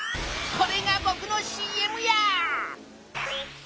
これがぼくのＣＭや！